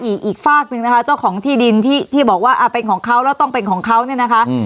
อีกอีกฝากหนึ่งนะคะเจ้าของที่ดินที่ที่บอกว่าเป็นของเขาแล้วต้องเป็นของเขาเนี่ยนะคะ